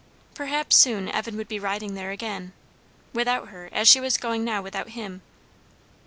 Perhaps soon Evan would be riding there again, without her, as she was going now without him.